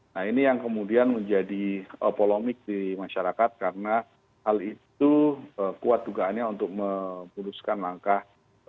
nah ini yang kemudian menjadi polemik di masyarakat karena hal itu kuat dugaannya untuk memutuskan langkah